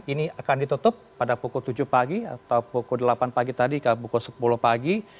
ini akan ditutup pada pukul tujuh pagi atau pukul delapan pagi tadi ke pukul sepuluh pagi